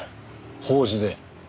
法事で？